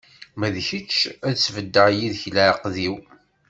Ma d kečč, ad sbeddeɣ yid-k leɛqed-iw.